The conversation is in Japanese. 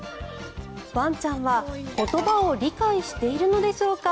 ワンちゃんは言葉を理解しているのでしょうか。